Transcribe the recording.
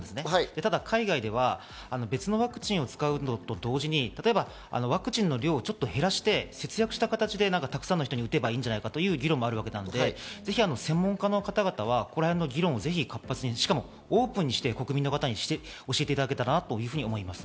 ただ海外では別のワクチンを使うのと同時にワクチンの量をちょっと減らして節約した形でたくさんの人に打てばいいんじゃないかという議論もあるわけなので、ぜひ専門家の方々はこの辺の議論を活発にオープンにして国民に教えていただけたらなと思います。